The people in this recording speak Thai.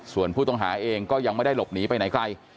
ส่วนผู้ต้องหาเองก็ยังไม่ได้หลบหนีไปไหนไกล